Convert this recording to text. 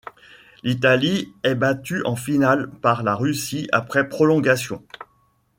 L'Italie est battue en finale par la Russie après prolongation.